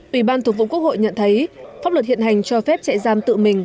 ủy ban thuộc vụ quốc hội nhận thấy pháp luật hiện hành cho phép trại giam tự mình